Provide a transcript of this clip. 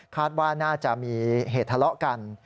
ว่าน่าจะมีเหตุทะเลาะกัน